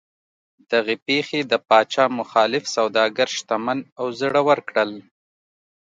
دغې پېښې د پاچا مخالف سوداګر شتمن او زړور کړل.